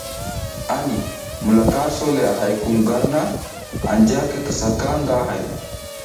Anti mulaka a so le a hay kum gar na, anja ki kisa ka nga hay.